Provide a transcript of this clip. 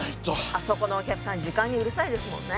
あそこのお客さん時間にうるさいですもんね。